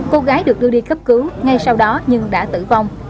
cô gái được đưa đi cấp cứu ngay sau đó nhưng đã tử vong